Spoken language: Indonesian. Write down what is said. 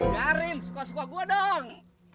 garim suka suka gue dong